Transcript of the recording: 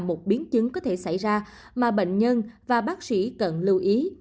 đột quỷ này không có thể xảy ra mà bệnh nhân và bác sĩ cần lưu ý